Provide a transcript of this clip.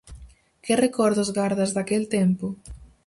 Que recordos gardas daquel tempo?